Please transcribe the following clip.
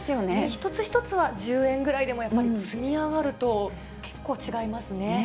一つ一つは１０円ぐらいでも、やっぱり積み上がると、結構違いますね。